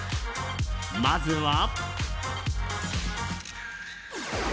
まずは。